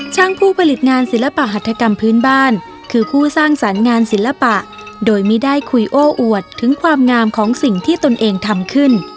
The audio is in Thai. ผู้ผลิตงานศิลปหัฐกรรมพื้นบ้านคือคู่สร้างสรรค์งานศิลปะโดยไม่ได้คุยโอ้อวดถึงความงามของสิ่งที่ตนเองทำขึ้น